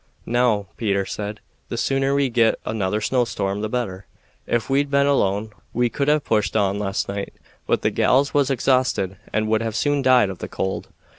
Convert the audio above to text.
"Now," Peter said, "the sooner we git another snowstorm the better. Ef we'd been alone we could have pushed on last night, but the gals was exhausted and would soon have died of the cold.